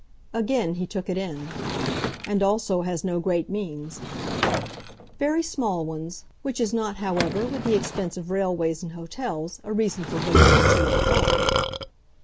Again he took it in. "And also has no great means." "Very small ones. Which is not, however, with the expense of railways and hotels, a reason for her running to and fro."